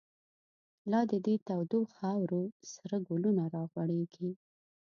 لا د دی تودو خاورو، سره گلونه را غوړیږی